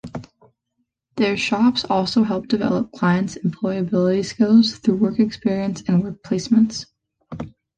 Their shops also help develop clients' employability skills through work experience and work placements.